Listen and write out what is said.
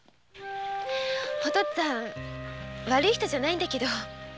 お父っつぁん悪い人じゃないけど頑固者で。